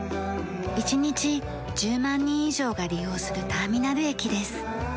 １日１０万人以上が利用するターミナル駅です。